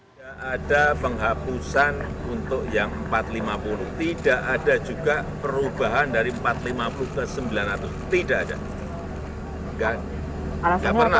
tidak ada penghapusan untuk yang empat ratus lima puluh tidak ada juga perubahan dari empat ratus lima puluh ke sembilan ratus tidak ada